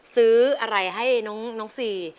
ซื้ออะไรให้น้องซี